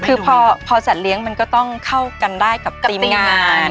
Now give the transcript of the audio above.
คือพอจัทรเลี้ยงก็เข้ากันได้กับซีมงาน